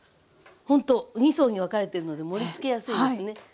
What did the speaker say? ほんと２層に分かれてるので盛りつけやすいですね。